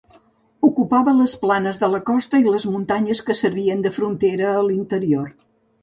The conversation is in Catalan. Ocupava les planes de la costa i les muntanyes que servien de frontera a l'interior.